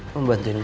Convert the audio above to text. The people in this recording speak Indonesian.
mau bantuin gue gak